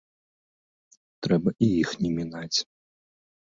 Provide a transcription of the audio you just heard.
Трэба і іх не мінаць.